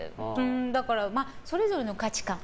だからそれぞれの価値観。